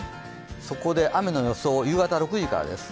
そこで雨の予想、夕方６時からです。